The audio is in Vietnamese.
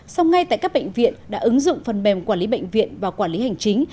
song ngay tại các bệnh viện đã ứng dụng phần mềm quản lý bệnh viện và quản lý hành chính